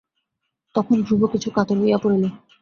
তখন ধ্রুব কিছু কাতর হইয়া পড়িল।